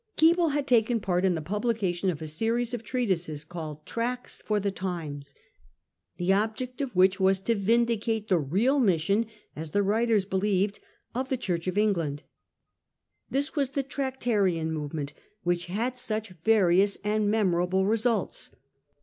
Keble had taken part in the publication of a series of treatises called ' Tracts for the Times,' the object of which was to vindicate the real mission, as the writers believed, of the Church of England. This was the Tractarian movement which had such various and memorable results.